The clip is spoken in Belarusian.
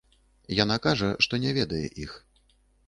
Яна кажа, што не ведае іх.